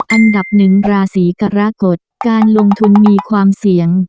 อันดับหนึ่งราศีกรกฎการลงทุนมีความเสี่ยง